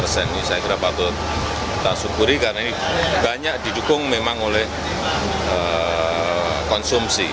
saya kira patut kita syukuri karena ini banyak didukung memang oleh konsumsi